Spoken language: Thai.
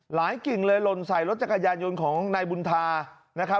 กิ่งเลยหล่นใส่รถจักรยานยนต์ของนายบุญธานะครับ